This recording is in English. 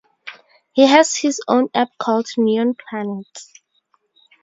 He has his own app called "Neon Planets".